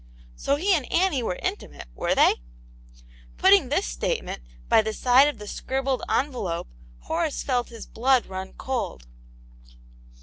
.' So he and Annie were intimate, 'wet^^^^.^ Cutting Aunt Janets Hero. 75 this statement by the side of the scribbled envelope, Horace felt his blood run cold.